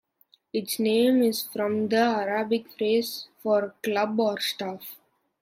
Its name is from the Arabic phrase for "club" or "staff".